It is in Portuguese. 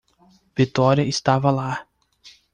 Vitória estava lá.